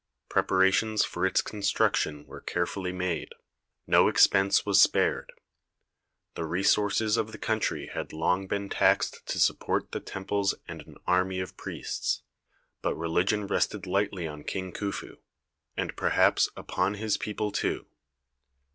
Preparations for its construction were carefully made ; no expense was spared. The resources of the country had long been taxed to support the temples and an army of priests, but religion rested lightly on King Khufu, and perhaps upon his people too.